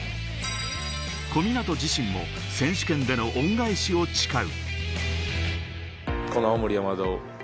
小湊自身も選手権での恩返しを誓う。